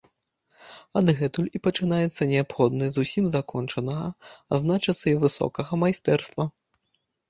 Адгэтуль і пачынаецца неабходнасць зусім закончанага, а значыцца, і высокага майстэрства.